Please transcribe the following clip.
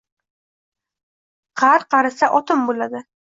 — G’ar qarisa otin bo‘ladi!